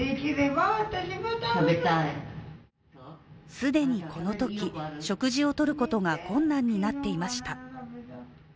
既にこのとき、食事をとることが困難になっていました。